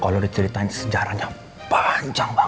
kalo dia ceritain sejarahnya lagi kalau dia ceritain istrinya dimana